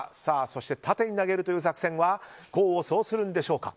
そして、縦に投げるという作戦は功を奏するんでしょうか。